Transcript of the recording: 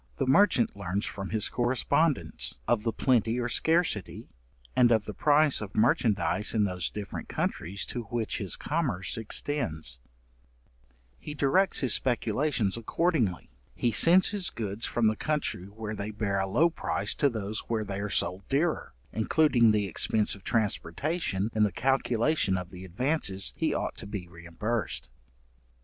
The merchant learns from his correspondents, of the plenty or scarcity, and of the price of merchandize in those different countries to which his commerce extends; he directs his speculations accordingly, he sends his goods from the country where they bear a low price to those where they are sold dearer, including the expence of transportation in the calculation of the advances he ought to be reimbursed.